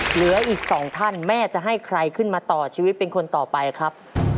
เหลืออีกสองท่านแม่จะให้ใครขึ้นมาต่อชีวิตเป็นคนต่อไปครับ